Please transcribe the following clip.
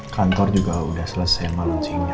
kantor juga udah selesai maluncingnya